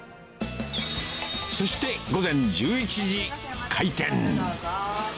そして午前１１時、開店。